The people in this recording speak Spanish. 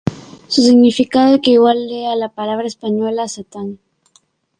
Su significado equivale a la palabra española Satán.